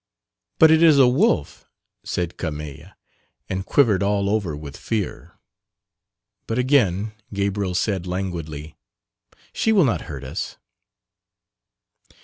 "But it is a wolf," said Carmeille, and quivered all over with fear, but again Gabriel said languidly, "She will not hurt us."